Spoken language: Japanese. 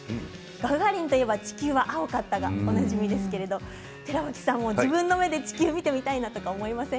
ガガーリンといえば地球は青かったがおなじみですが寺脇さん、自分の目で地球見てみたいなと思いません？